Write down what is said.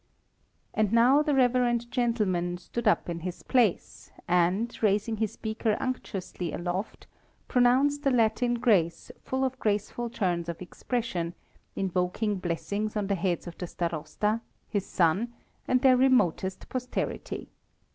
And now the reverend gentleman stood up in his place, and, raising his beaker unctuously aloft, pronounced a Latin grace full of graceful turns of expression, invoking blessings on the heads of the Starosta, his son, and their remotest posterity.